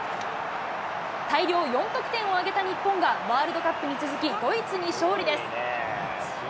大量４得点を挙げた日本がワールドカップに続きドイツに勝利です。